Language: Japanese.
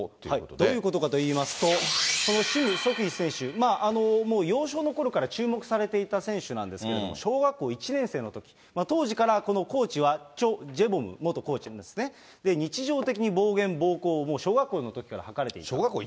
どういうことかといいますと、そのシム・ソクヒ選手、もう幼少のころから注目されていた選手なんですけれども、小学校１年生のとき、当時からこのコーチはチョ・ジェボム元コーチですね、日常的に暴言、暴行を小学校のときからかかれていた。